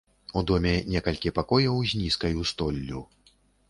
У доме некалькі пакояў з нізкаю столлю.